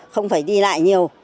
không phải đi lại nhiều